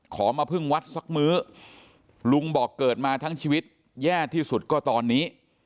ขอมาพึ่งวัดสักมื้อลุงบอกเกิดมาทั้งชีวิตแย่ที่สุดก็ตอนนี้